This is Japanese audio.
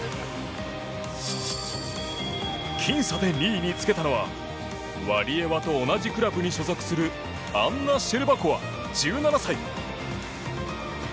僅差で２位につけたのはワリエワと同じクラブに所属するアンナ・シェルバコワ、１７歳。